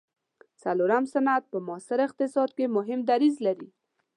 څلورم صنعت په معاصر اقتصاد کې مهم دریځ لري.